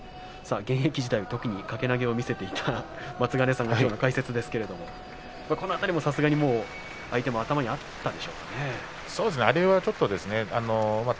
現役時代のときに上手投げを見せていた松ヶ根さんの解説ですけれどもこの辺りもさすがに相手の頭にあったでしょうかね。